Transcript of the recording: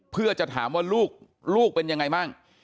เพื่อจะถามว่าลูกเป็นยังไงบ้าง